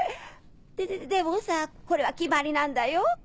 ででもさこれは決まりなんだよ。